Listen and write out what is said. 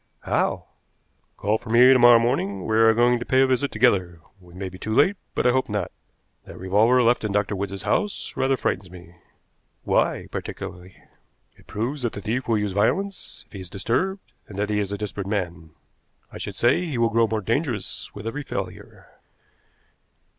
"How?" "Call for me to morrow morning; we are going to pay a visit together. We may be too late, but I hope not. That revolver left in Dr. Wood's house rather frightens me." "Why, particularly?" "It proves that the thief will use violence if he is disturbed, and that he is a desperate man. I should say he will grow more dangerous with every failure."